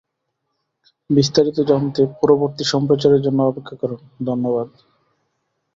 বিস্তারিত জানতে পরবর্তী সম্প্রচারের জন্য অপেক্ষা করুণ, ধন্যবাদ।